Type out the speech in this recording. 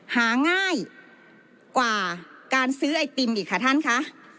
หาง่ายกว่าการซื้อไอติมอีกค่ะท่านคะ